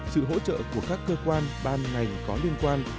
sự hỗ trợ của các cơ quan ban ngành có liên quan